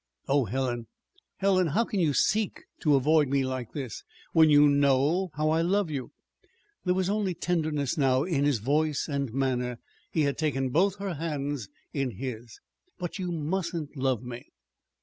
Oh, Helen, Helen, how can you seek to avoid me like this, when you know how I love you!" There was only tenderness now in his voice and manner. He had taken both her hands in his. "But you mustn't love me."